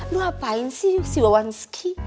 lu apain sih si wawansky